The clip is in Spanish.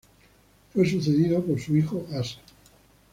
Fue sucedido por su hijo Asa.